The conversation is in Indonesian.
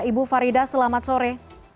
ibu farida selamat sore